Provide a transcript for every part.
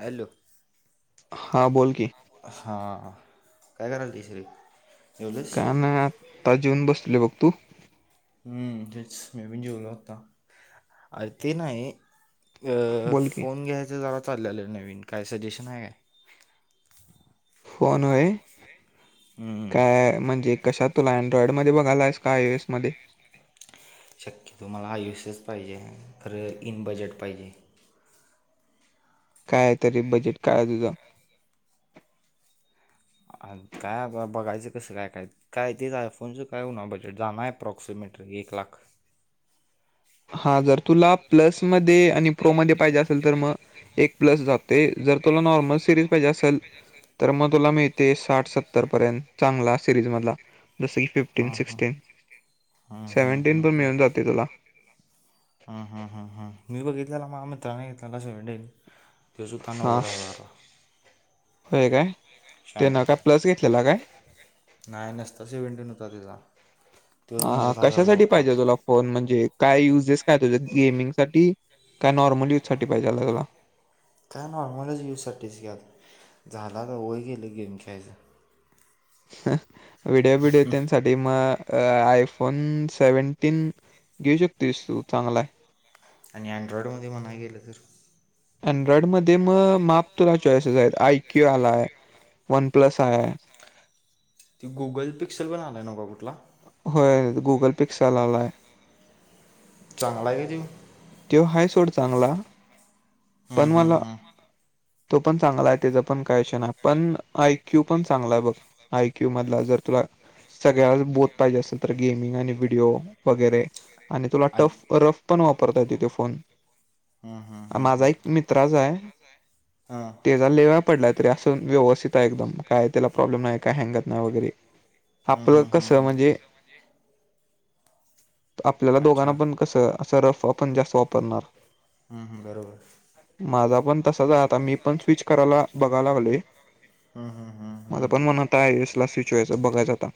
Hello. हां बोल की. हां काय कराल्तास रे? जेवलीस? काय नाय आत्ता जेऊन बसलोय बघ, तू? हम्म तेच मी पण जेवलो आत्ता, अरे ते नाही अ बोल की फोन घ्यायचं जरा चाललं नवीन काय सजेशन आहे काय? फोन होय? [unintelligible] काय म्हणजे कशात तुला अँड्रॉइड मध्ये बघालायस काय आयएसएस मध्ये? शक्यतो मला आईएसएस पाहिजे आहे खरं इन बजेट पाहिजे आहे. काय तरी बजेट काय आहे तुझा? काय आबा बघायचं कसं काय काय, काय तेच आयफोनचं काय होणार बजेट जाणार ॲप अप्रॉक्सिमेटरी एक लाख हां जर तुला प्लसमध्ये आणि प्रो मध्ये पाहिजे असेल तर मग एक प्लस जातयं. जर तुला नॉर्मल सिरीज पाहिजे असेल तर मग तुला मिळतंय साठ सत्तर पर्यंत. चांगला सिरीज मधला जस की फिफ्टीन हां हां सिक्सटीन हां हां सेव्हेंटिन हां पण मिळून जातंय तुला. हम्म हम्म हम्म हम्म मी बघितलेला माझ्या मित्रानं घेतलाला सेव्हेंटीन तोच होता हा नव्वद हजारला. होय काय? तेन शहाण्णव काय प्लस घेतलेला काय? नाही नुसता सेव्हेंटीन होता त्याचा. तोच हां नव्वद हजारला कशासाठी होता पाहिजे तुला? फोन म्हणजे काय युजेस काय तुझ? गेमिंग साठी काय नॉर्मल युजसाठी पाहिजे तुला? काय नॉर्मलच यूजसाठीच की आता, झालं आता वय गेलं गेम खेळायचा. व्हिडिओ बीडीओ तेन साठी मग आयफोन सेव्हन्टीन घेऊ शकतोस तू चांगला आहे. आणि अँड्रॉडमध्ये म्हणाय गेलं तर? अँड्रॉइड मध्ये मग माप तुला चॉइसेस आहेत आयक्यू आलाय वन प्लस आहे. ते गुगल पिक्सल पण आलाय नव्हे का कुठला? होय गुगल पिक्सेल आलाय. चांगला आहे का तो? त्यो हाय सोड चांगला. पण मला तो पण चांगला आहे त्याचा पण काय विषय नाही. पण आयक्यू पण चांगला आहे बघ, आयक्यू मधला जर तुला सगळ्यात बोथ पाहिजे असेल तर गेमिंग आणि व्हिडिओ वगैरे आणि तुला टफ ऐक रफ पण वापरता येतोय तो फोन, माझा ऐक माझा एक मित्राचं आहे हां त्याचा लेवा पडलाय तरी असं व्यवस्थित आहे एकदम काय त्याला प्रॉब्लेम नाही काय हँगत नाही वगैरे हम्म आपलं हम्म हम्म कसं म्हणजे हम्म आपल्याला दोघांना पण कसं असं रफ आपण जास्त वापरणार हम्म, हम, बरोबर. माझा पण तसाच आहे आता, मी पण स्विच करायला बघायला लागलोय. हम्म, हम्म, हम्म. माझं पण मनात आहे ईस्टला स्विच व्हायचं, बघायचं आता.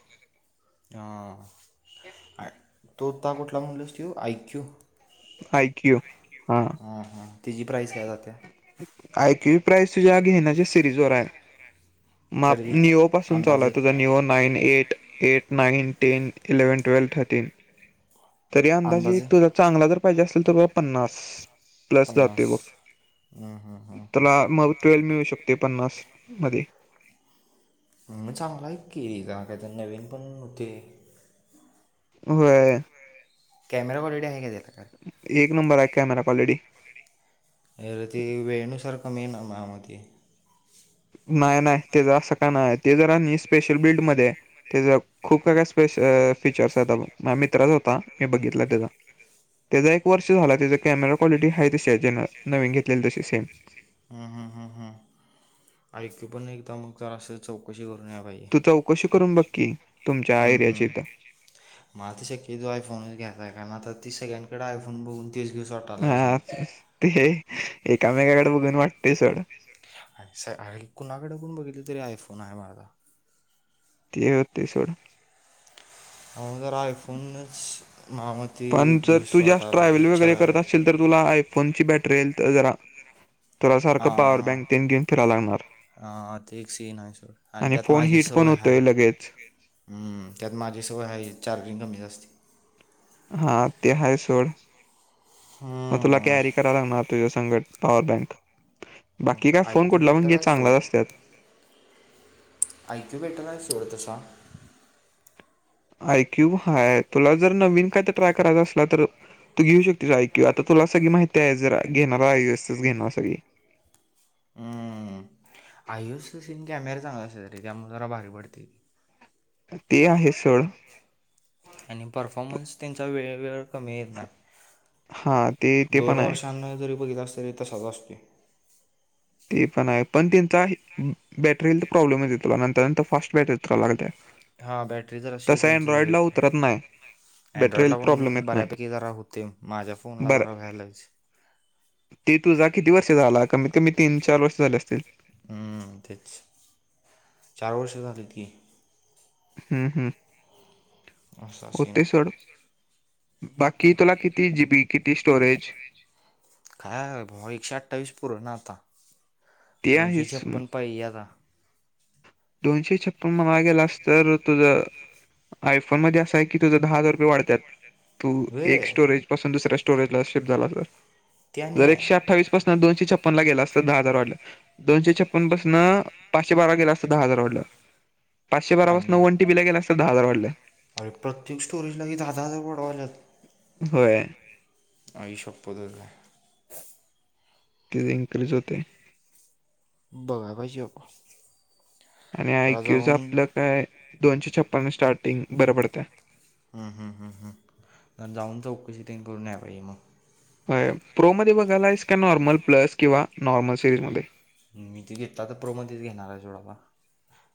हा. तु आता कुठला म्हणलास तू? आय क्यू आय क्यू हा. ह हां. तिची प्राईस काय जात्या? आय क्यू प्राईज तुझ्या घेण्याच्या सिरीज वर आहे. मा तरी निओ पासून चालूय अंदाजे तुझा, neo nine eight. Eighth, nine, ten, eleven, twelve thirty तरी अंदाजे तुझा चांगला जर पाहिजे असेल, तर बाबा पन्नास. प्लस पन्नास जाते बघ. हं हं [inaudible] ् हं त्याला मग ट्वेल् मिळू शकते पन्नासमध्ये. म चांगलय की. दादा ते नवीन पण होते. व्हयं. कॅमरा कॉलिटी आहे का त्याला? काय एक नंबर आहे कॅमेरा क्वालिटी. अरे ते वेळेनुसार कमी आहे ना मामा ते. नाय नाय. त्याचं असं काय नाय. ते जरा न स्पेशल बिल्ड मध्ये आहे त्याचा खूप काय काय स्पेश फीचर्स होता. म्या मित्रा चा होता, म्या बघितला त्याचा. असं काय. त्याचा एक वर्ष झाला, त्याचा कॅमेरा क्वालिटी हाय तशी आहे ज्यानं, नवीन घेतलेली तशी सेम. हा हा हा हा. ऐकू पण एकदा, मग जरा अस चौकशी करून याला पाहिजे. तू चौकशी करून बघ की, तुमच्या एरियाच्या इथं. मला ती शक्यतो आय फोनच घेनार आय, कारण आता ते सगळ्यांकडं आयफोन बघून त तेच घेस वाटतंय. हा. ठीके, एकामेकाकडे बघून वाटतय सोडं. आमचं कुणाकडे पण बघितली, तरी आयफोन आहे माझा. ते होते सोडं. [unintelligible] आयफोन न पण जर तू जास्त ट्रॅव्हल वगैरे करत असशील तर, तुला आयफोनची बॅटरीहेल्थ जरा तुला सारखा हां पावर हां बँक तेन घेऊन फिराय लागणार. हा, ते एक सीन आहे सोड, आणि त्यात फोन माझी हीट पण सवय होतोय हाय लगेच हम्म त्यात माझी सवय हाय, चार्जिंग कमीच असते. हा ते आहे सोड. [inaudible] मग तुला हम्म, कॅरी कराव लागणार तुझा संग. पॉवर बँक, बाकी मग काय आय फोन क्यू कुठला पन बेटर घे आहे सोड चांगलाच असत्यात. आय क्यू ले त्रास आहे हो तसा. आय क्यू हाय, तुला जर नवीन काय तर ट्राय करायचं असला तर तू घेऊ शकतेस आय क्यू. आता तुला सगळी माहिती आहे, जरा घेणार आयुसच घेणार सगळी अं, आयुषच सीन कॅमेरा चांगला असत्यात रे, त्यामुळे जरा भारी पडते. आहे ते सोड आहेच स़ोड. आणि परफॉर्मन्स त्यांचा, वेळ वेळ कमी येत नाही. हा ते ते दोन पण आहे वर्षांनं जरी बघितलास, तरी तसाच असतोय. ते पण आहे. पण त्यांचा आहे, बॅटरीला तर प्रॉब्लेमच येतोय, नंतर नंतर फास्ट बॅटरी ऊतराय लागल्या. हा बॅटरी जराशी त्यांच हे होते उतरत नाही [unintelligible] अँड्रॉइड बॅटरीला ला पण प्रॉब्लेम येत नाही बऱ्यापैकी जरा होतय, माझ्या फोनला जरा बरं व्हायलच ते तुझा किती वर्ष झाला, कमीत कमी तीन चार वर्ष झाले असतील. हम्म तेच, चार वर्ष झालीत की. हम्म हम्, असा सीन हुतय आहे. सोड. बाकी तुला किती जीबी, किती स्टोरेज, काय भावा एकशे अठ्ठावीस पुर ना आता, ते दोनशे आहेच छपन पाहिेजे आता. दोनशे छप्पन मनाय गेलास तर तुझंऽ. आयफोन मध्ये असं आहे की तुझं दहा हजार रुपये वाढत्यात, तू एक व्हय स्टोरेजऽ. पासून दूसर्या स्टोरेज ला शीफ्ट झालास तर, त्याने जरा एकशे आठाऽ. अठ्ठावीस पासून दोनशे छप्पनला गेलास तर दहा हजार वाढलं, दोनशे छप्पन पासनं पाचशे बारा गेला असताऽ. दहा हजार वाढलं, पाचशे बारा पासन आणि वन टी बीला गेला अस तर दहा हजार वाढलं. अरे प्रत्येक स्टोरेजला हे दहा हजार वाडवा ल्यात. होय, आई शपथ च काय. ते एन्करेज होतेय. बघाय पाहिजे बाबा. आणि जरा आयक्यूचं जाऊन आपलं काय, दोनशे छप्पन्न स्टार्टिंग बरं पडतंय. हम् हम् ह हम, जाऊन चौकशी तेन करून याय पाहिजे मग. वय, प्रो मध्ये बघायलायस का नॉर्मल प्लस किंवा नॉर्मल सिरीज मध्ये. मी, ते घेतला तर प्रोमध्येच घेणार आहे सोड बाबा.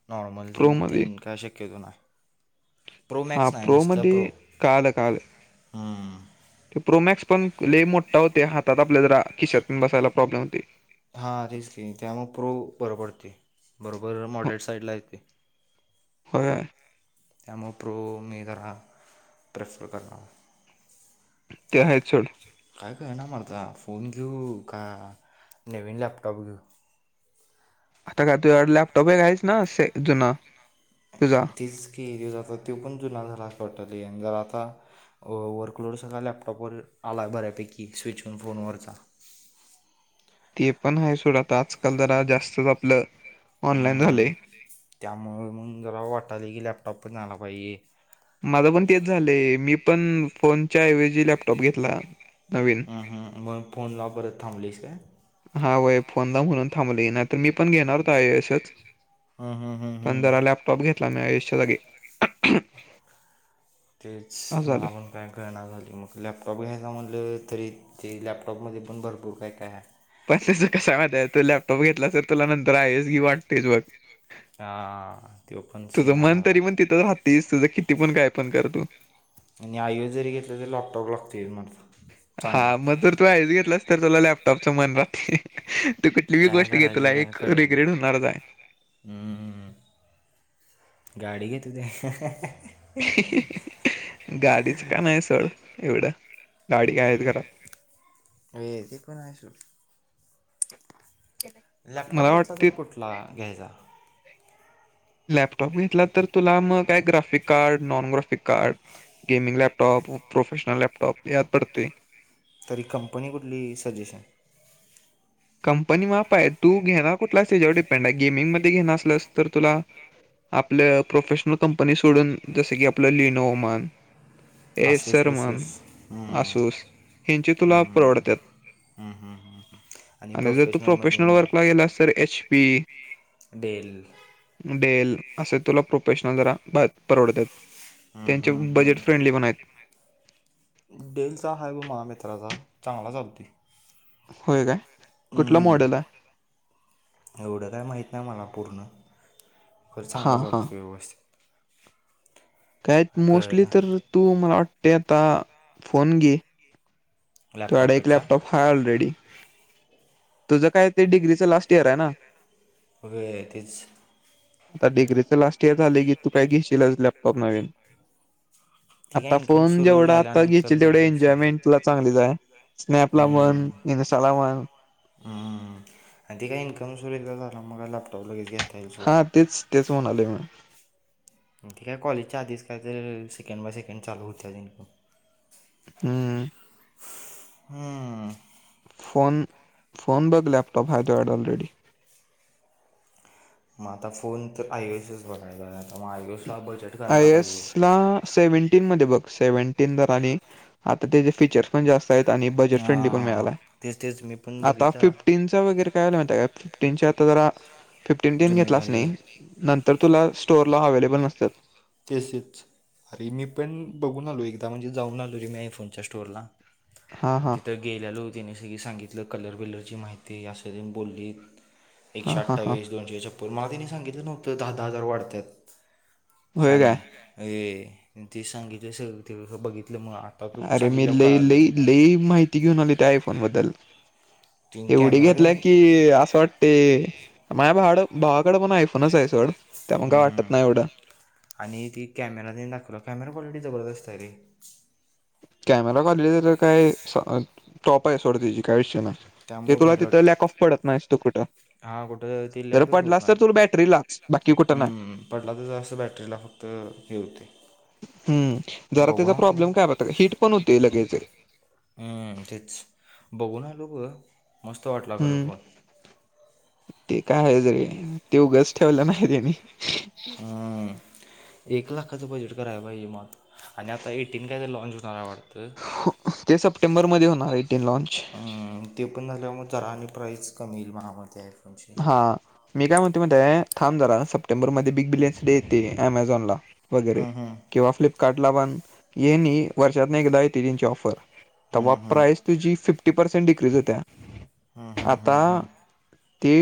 नॉर्मल प्रो मध्ये तन काय शक्यतो नाय, प्रो मॅक्स नाही नुसता प्रो. कालऽ. ते प्रोमॅक्स पण लय मोठा हुतय, हातात आपल्या जरा, खिशात बसायला प्रॉब्लेम हुतय. हां तेच कि,, त्यामुळ प्रो बरं पडतोय, बरोबर मॉडेल साईडला येतय. होय. त्यामुळ प्रो मी तररा प्रेफर करणार. ते आहे चड. काय कळना मरता फोन घेऊ का नवीन लॅपटॉप घेऊ. त्या ते. लॅपटॉप का आहेत तुझा ना ते. ी जात ति पण जुना झाला पडली आता. वर्कलोड सगळळा लॅपटॉपवर आला बऱ्यापैकी स्विच होन फोनवरचा. ते पण आहे सोडात आजकाल जरा जास्तच आपलं. ऑनलाईन हा, झालंय. त्यामुळे मग जरा वाटालय की लॅपटॉप पन झाला पाईजे. माझं पण तेच झालंय, मी पण फोनच्या ऐवजी लॅपटॉप घेतला, नवीन हां हां, मग फोन लाव परत, थांबलीस काय? हा, वय फोनला म्हणून थांबलोय नाहीतर मी पण घेणार हूतो आहे आसच. हम्म, हम्म, हम्म. पणधरा लॅपटॉप घेतला मी आयुषच्या जागे. तेच असं झालं. मला पण. काय कळना झाली मग लॅपटॉप घ्यायचं म्हटलं तरी ते लॅपटॉपमध्ये पण भरपूर काय काय. पण त्याच कसाय माहिय तू लॅपटॉप घेतला तर तुला नंतर आहेच घी वाटतेच बघ. हा त पण सीन आहे मला. तीस तुझं किती पण काय पण करतू. आणि आयो जरी घेतलं तरी लॉकटॉप लागतो य मारत. हा मग जर तू ऐज घेतलास तर तुला लॅपटॉपच मन राहते. तू कठलीही काय गोष्ट घेतला करायचं काय एक कळत रिग्रेट नाही होणारच आहे. गाडी घेतं ते [unintelligible] गाडीच का नाही सड एवढं गाडी काय आहेत घरात अ, ते पण आहे सोड रलॅपटॉप मला घेतला वाटते तर कुठ ला, घ्यायचा लॅपटॉप घेतला तर तुला मग काय graphic card, nongraphic card- gaming laptop professional laptop यात पडते. तरी कंपनी कुठली सजेश आहे कंपनी माफ आहे तू घेणार कुठलास त्याच्यावर डिपेंड, आहे गेमिंग, मध्ये घें असलस तर तुला आपल्य प्रोफेशनल कंपनी सोडून जस की आपलं लिनो ओमान ए आसूस सरमन बिसूस हम्म, आसूस हि. चे तुला परवडतात. हम्म, हम्- हम्- हम् आणि जर तू प्रोफेशनल म ए वर्कला गेलास तर एच पी डेल [unintelligible] डेल असे तुला प्रोफेशनल जरा परवडतात हा, त्यांचे हा, हां बजेट फ्रेंडली पण आहेत डेलचा हा ग महामित्राचा चांगला चालती. होय, काय कुठला हम्म, मॉडेल आहे [unintelligible] एवढं काय माहत नाही मला पूर्ण खरं चांगला. हां हां चालतो व्यवस्थित काय कळत मोस्टली ना तर तूआट आता फोन घे थडा एक लॅपटॉपपेक्षा लॅपटॉप हा ऑलरेडी- तुझं काय ते डिग्रीचं, लास्ट इयर आहे ना वगैरे तेच आता डिग्रीच लास्ट इयर झाले की तू काय घेशीलच लॅपटॉप नवीन- ती काय आता इन्कम फोन सुरू जेवढा आता झाल्यानंतर घेतील ना तेवढे काय सांगा एन्जॉयमेंटला चांगली आहे, स्नॅपला वन इनस्टा ला वन हम, आणि त काही इन्कम सरल का झालं मग लॅपटॉपला ईजी हे हा तेच, तेच म्हणाले मी [unintelligible] ठीक आहे कॉलेजच्या आधीच काय तर सेकंड, बाय सेकंड, चालू होत्या जक हम्म हम्म फोन फोन बघ लॅपटॉप हा तो ऑलरेडी मग आता फोन तर आयच बघायला आहे आता मग आयसला बजेट कराय पाहिजे. सेव्हन्टीन मध्ये बघ सेव्हन्टीन ज आणि आता त्याचे फीचर्स पण जास्त आहेत आणि बजेट फ्रेंडली पण हा मिळाला तेच तेच मी आहे पण आता बघितलं फिफ्टीन त काय फफ्टीन आता ज फिफ्टीन ट जुनं घेतलाच झाले नाही नंतर तुला स्टोरला अवेलेबल नसतात. तेसेच अरे मी पण बघून आलो एकदा म्हणजे जाऊन आलो रे मी फोनच्या स्टोअरला, हां म हां तिथं गेलेलो त्याने सगळी सांगितलं कलर बीलरची माहिती आस बोलली हां एकशे हां हां अठ्ठावीस दोनशेछप्पन मग, तिने सांगितलं नव्हतं दहा, दहा, हजार वाढतात. होय छान काय आहे अ, ते सांगितलं सगळं बघितलं मग आ अरे मी लई लई लई माहिती घेऊन आली त्या आयफोन बद्दल तीन एवढी कॅमेरा घेतल्या की असं वाटते माझ्याड भावाकडे पण आयफोनच आहे सोड त्या पग काय वाटत नाही एवढं, आणि ती कॅमेराने दाखवला कॅमेरा, क्वालिटी जबरदस् आहे रे कॅमेरा वाले तर काय टॉप आहे सोडं त्याची काय विषय नाही ते त्यामुळे तुला भारी तिथं वाटते लॅक ऑफ पडत नाहीस तो कुठं, हा कुठं ते जर लॅगच होत पडलास नाही तर तुला बॅटरी लाच बाकी कुठं नाही. हम्म पडला तर असं बॅटरीला फक्त हे होते हम्म जरा बघून त्याचा आलो प्रॉब्लेम काय होता हिट पण होते लगेचे तेच बघूून आलो ग मस्त वाटला खरं हम्म फोन ते काय आहे ज रे ते उगंच ठेवलं नाही त्यांनी हम्म एक लाखाचं बजेट कराय पाहिज मात आणि आता एटीन काय ते लॉनच होणार [inaudible] ते सप्टेंबरमध्ये होणार एटीन लॉनच हम्म, ते पण झाल्या मग जरा आणि प्राईस कमी येईल मला म ते आयफोन ची हा मी काय म्हणते मध्ये थांब जरा सप्टेंबर मध्ये बिग बिलियन्स डे येते अमेझॉनला वगैरे हम्म हम्म किंवा फ्लिपकार्ट ला पण हे नाही वर्षातने एकदा येते जंची [unintelligible] ऑफर तेव्हा हम्म हम्म प्राइस तुझी फिफ्टी पर्सेंट डिक्रीज होत्या हा हा आता ते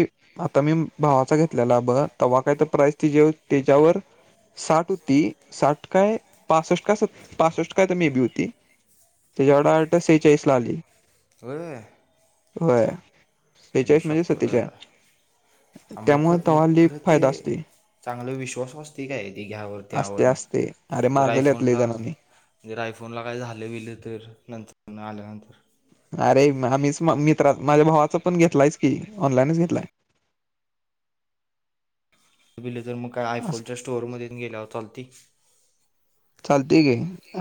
आता मी भावाचा घेतलेला ब तवा काय तर प्राईस त जे त्याच्यावर साठ होती साठ काय पासष्ट काय पासष्ट काय तर मे बी होती त्याच्या वडे [unintelligible] आठ सेचाळीस ला आली हो होय आई बेचाळीस म्हणजे सतीच्या शप्पथ मुख त्यामुळे मुख त्हाली खरं [unintelligible] ते फायदा असते. चांगलं विश्वास वा असते काय ती घ्यावरती असते आवडणं असते अरे जर मागवल्यात लई आयफोनला जणांनी म्हे आयफोनला काही झाले गेले तर नंतर आल्यानंतर अरे आम्हीच मित्र माझ्या भावाच पण घेतलायच की ऑनलाईनच घेतलाय. तुमले जर मग काय अस आयफोनच्या स्टोअर मधून गेला होताल ती चालते घे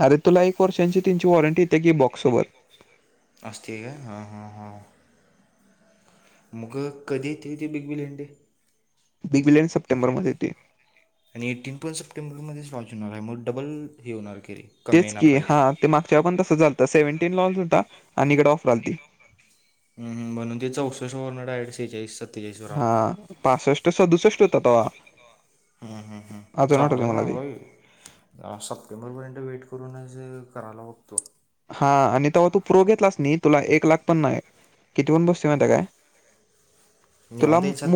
अरे तुला एक वर्षांची त्यांची वॉरंटी येते की बॉक्सोबत असते आहे का हां हां हां मगं कधी येते हो त ते बिग बिले बिग बिनस [unintelligible] वीले सप्टेंर [unintelligible] आणि टिन्पल सप्टेंबरमध्येच लाँच होणार आहे म डबल ही होणार केली तेच की हा ते मागच्या पण तसं झालतं सेव्हन्टीन लाँच होता. आणि इकडे ऑफर आलती ह ह म्हणून ते चौसष्ठ वरून डायरेक्ट शेहचाळीस हा पासष्ट सदुसष्ट होता तेव्हा हम्म हम हम मला ते [unintelligible] सप्टेंबरपर्यंत वेट करूनच करायला बघतो. हा आणि तेव्हा तू प्रो घेतलास नाही तुला एक लाख पण नाही किती पण बसू माहत काय निीवांद तुला [unintelligible]